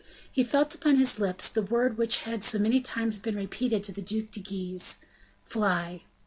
He felt upon his lips the word which had so many times been repeated to the Duc de Guise: "Fly."